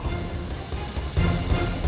kami yang akan menangkap orang lainnya